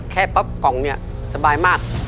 แค่ปั๊บกล่องเนี่ยสบายมาก